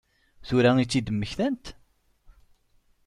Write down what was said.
Tura i tt-id-mmektant?